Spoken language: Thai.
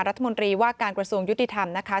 รัฐมนตรีว่าการกระทรวงยุติธรรมนะคะ